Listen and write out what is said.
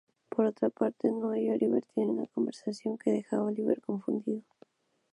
Por otra parte, Noah y Oliver tienen una conversación que deja a Oliver confundido.